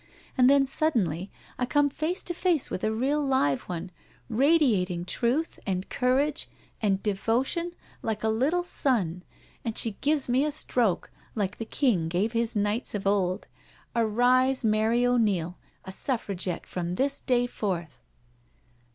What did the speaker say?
And then suddenly I come face to face with a real live one — radiating truth and courage and devotion like a little sun— and she gives me a stroke, like the king gave his knights of old—' Arise, Mary O'Neil, a Suffragette from this day forth.'